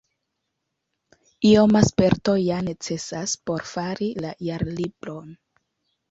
Ioma sperto ja necesas por fari la Jarlibron.